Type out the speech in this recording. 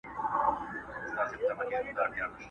په خوب وینم چي زامن مي وژل کیږي؛